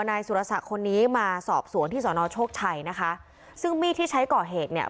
นายสุรศักดิ์คนนี้มาสอบสวนที่สอนอโชคชัยนะคะซึ่งมีดที่ใช้ก่อเหตุเนี่ย